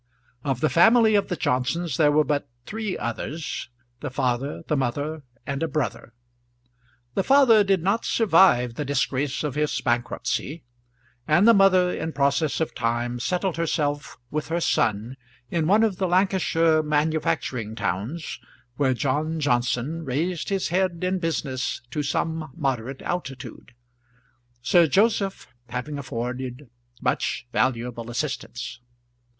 Of the family of the Johnsons there were but three others, the father, the mother, and a brother. The father did not survive the disgrace of his bankruptcy, and the mother in process of time settled herself with her son in one of the Lancashire manufacturing towns, where John Johnson raised his head in business to some moderate altitude, Sir Joseph having afforded much valuable assistance.